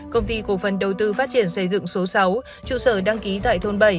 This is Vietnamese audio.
công ty cổ phần đầu tư phát triển xây dựng số sáu trụ sở đăng ký tại thôn bảy